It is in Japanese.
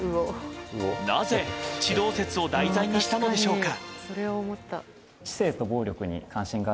なぜ地動説を題材にしたのでしょうか。